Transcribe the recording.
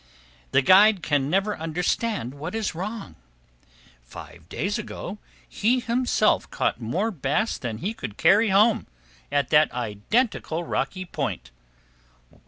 The guide can never understand what is wrong. Five days ago, he himself caught more bass than he could carry home, at that identical rocky point.